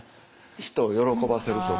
人を喜ばせるとか。